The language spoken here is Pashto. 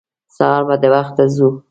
سهار به د وخته ځو.